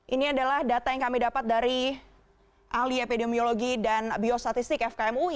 ini adalah data yang kami dapat dari ahli epidemiologi dan biostatistik fkm ui